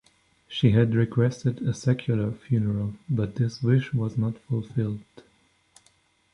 She had requested a secular funeral, but this wish was not fulfilled.